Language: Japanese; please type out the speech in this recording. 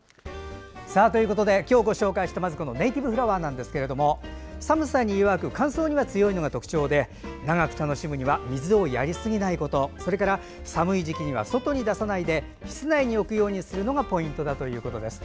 今日ご紹介した、まずネイティブフラワーなんですが寒さに弱く乾燥に強いのが特徴で長く楽しむには水をやりすぎないことそれから寒い時期には外に出さないで室内に置くのがポイントだということです。